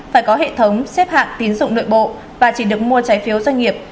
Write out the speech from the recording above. phải có hệ thống xếp hạng tín dụng nội bộ và chỉ được mua trái phiếu doanh nghiệp